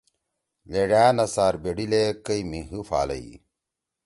لیڙأ نہ څار بیڑیِلے کئی مھی حی پھالئی